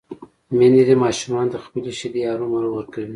ميندې دې ماشومانو ته خپلې شېدې هرومرو ورکوي